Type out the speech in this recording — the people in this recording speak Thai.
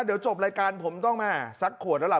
เดี๋ยวจบรายการผมต้องแม่สักขวดแล้วล่ะ